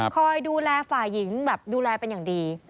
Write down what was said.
คอยดูแลฝ่ายหญิงแบบดูแลเป็นอย่างดี